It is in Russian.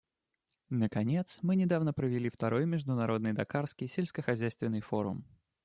Наконец, мы недавно провели второй Международный дакарский сельскохозяйственный форум.